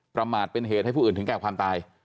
ประมาทเป็นเหตุให้ผู้อื่นถึงแก่ความตาย